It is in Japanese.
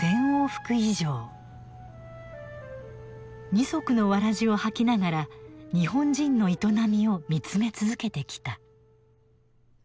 二足のわらじを履きながら日本人の営みを見つめ続けてきた。